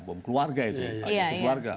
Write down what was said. bom keluarga itu